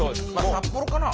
札幌かな？